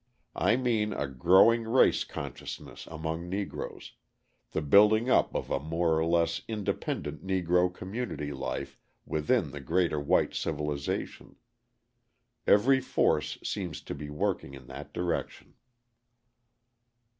I mean a growing race consciousness among Negroes the building up of a more or less independent Negro community life within the greater white civilisation. Every force seems to be working in that direction.